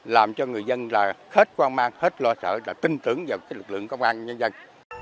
làm cho người dân là hết hoang mang hết lo sợ là tin tưởng vào cái lực lượng công an nhân dân